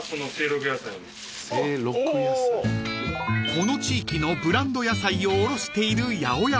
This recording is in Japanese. ［この地域のブランド野菜を卸している八百屋さん］